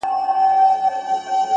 • افسوس كوتر نه دى چي څوك يې پـټ كړي؛